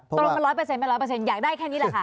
ตรง๑๐๐เป็น๑๐๐อยากได้แค่นี้แหละค่ะ